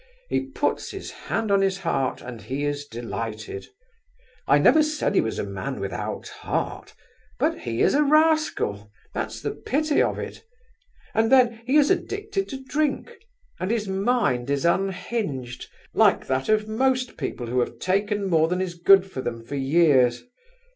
He puts his hand on his heart, and he is delighted! I never said he was a man without heart, but he is a rascal—that's the pity of it. And then, he is addicted to drink, and his mind is unhinged, like that of most people who have taken more than is good for them for years.